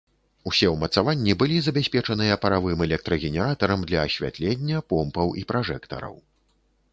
Усе ўмацаванні былі забяспечаныя паравым электрагенератарам для асвятлення, помпаў і пражэктараў.